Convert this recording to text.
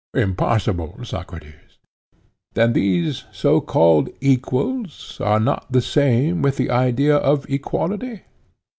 Impossible, Socrates. Then these (so called) equals are not the same with the idea of equality?